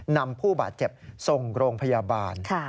นำผู้บาดเจ็บส่งโรงพยาบาล